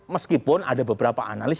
meskipun ada beberapa analis